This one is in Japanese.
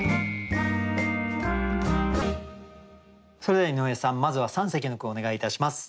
それでは井上さんまずは三席の句をお願いいたします。